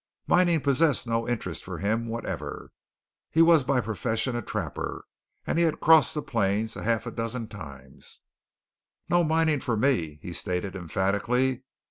Mining possessed no interest for him whatever. He was by profession a trapper, and he had crossed the plains a half dozen times. "No mining for me!" he stated emphatically.